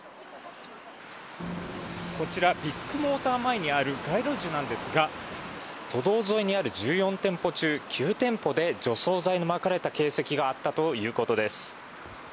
こちらビッグモーター前にある街路樹なんですが都道沿いにある１４店舗中９店舗で除草剤のまかれた形跡があったということです。